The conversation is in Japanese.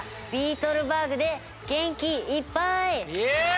イエイ！